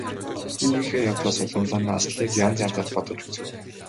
Хүүгийнхээ явдлаас уламлан Нансалыг янз янзаар бодож үзэв.